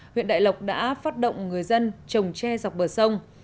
huyện đại lộc đã phát động người dân trồng tre dọc bờ sông